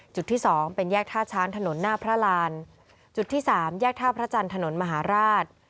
จุดที่สองเป็นแยกท่าช้างถนนหน้าพระรานจุดที่สามแยกท่าพระจันทร์ถนนมหาราช